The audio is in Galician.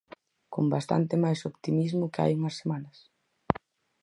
Con bastante máis optimismo que hai unhas semanas.